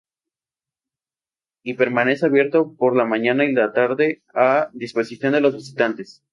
Y permanece abierto por la mañana y la tarde a disposición de los visitantes.